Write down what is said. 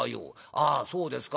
『ああそうですか』